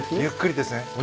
ゆっくりですね。